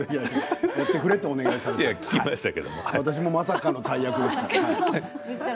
やってくれとお願いされて私、まさかの大役でした。